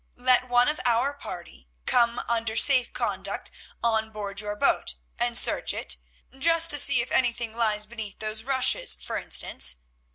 Let one of our party come under safe conduct on board your boat and search it, just to see if anything lies beneath those rushes for instance.